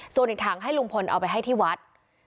ส่วนอีกถังให้ลุงพลเอาไปให้ที่วัด